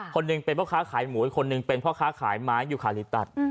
คนนึงเป็นเพราะค้าขายหมูคนนึงเป็นเพราะค้าขายไม้อยู่ขาลิตัส